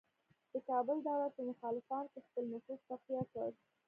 د کابل دولت په مخالفانو کې خپل نفوذ تقویه کړ.